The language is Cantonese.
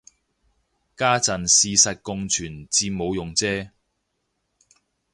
家陣事實共存至冇用啫